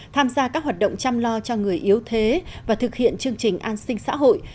tham gia các hoạt động chăm lo cho người yếu thế và thực hiện chương trình an sinh xã hội